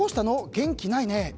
元気ないね